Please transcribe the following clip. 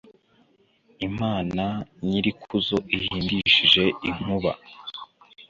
imana nyir'ikuzo ihindishije inkuba